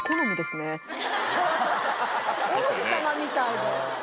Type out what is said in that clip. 王子様みたいで。